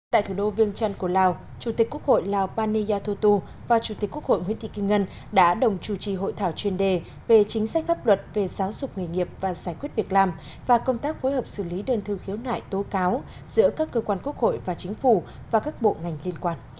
tại thủ đô viêng trăn của lào chủ tịch quốc hội lào pani yathutu và chủ tịch quốc hội nguyễn thị kim ngân đã đồng chủ trì hội thảo chuyên đề về chính sách pháp luật về giáo dục nghề nghiệp và giải quyết việc làm và công tác phối hợp xử lý đơn thư khiếu nại tố cáo giữa các cơ quan quốc hội và chính phủ và các bộ ngành liên quan